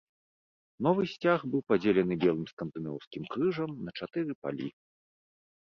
Новы сцяг быў падзелены белым скандынаўскім крыжам на чатыры палі.